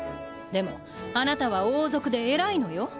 でもあなたは王族で偉いのよ。